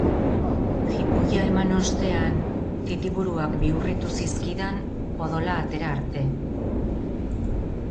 Jipoia eman ostean, titiburuak bihurritu zizkidan odola atera arte.